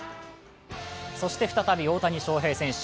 そして再び大谷翔平選手。